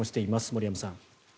森山さん。